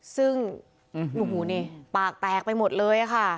ซึ่งโอ้โหนี่ปากแตกไปหมดเลยค่ะ